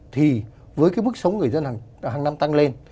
thì với mức sống người dân hàng năm tăng lên